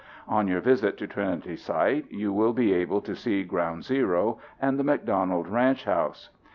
On your visit to Trinity Site you will be able to see ground zero and the McDonald ranch house.